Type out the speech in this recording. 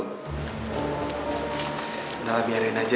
udah lah biarin aja